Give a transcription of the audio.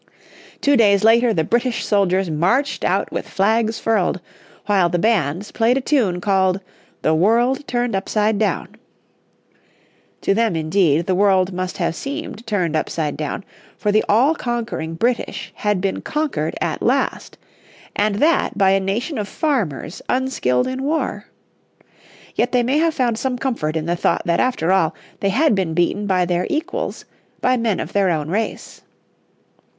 Two days later the British soldiers marched out with flags furled, while the bands played a tune called "The World Turned Upside Down." To them indeed the world must have seemed turned upside down, for the all conquering British had been conquered at last, and that by a nation of farmers unskilled in war. Yet they may have found some comfort in the thought that after all they had been beaten by their equals, by men of their own race.